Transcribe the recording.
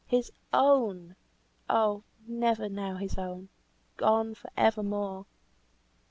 His own! Oh! never now his own! Gone for evermore!